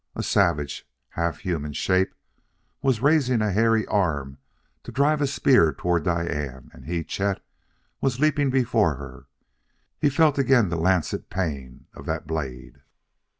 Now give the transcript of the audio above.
A savage, half human shape was raising a hairy arm to drive a spear toward Diane, and he, Chet, was leaping before her. He felt again the lancet pain of that blade....